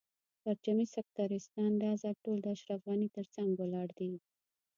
پرچمي سکتریستان دا ځل ټول د اشرف غني تر څنګ ولاړ دي.